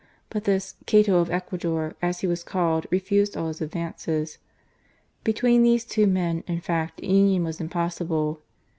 But this " Cato of Ecuador," as he was called, refused all his advances. Between these two men, in fact, union was impossible.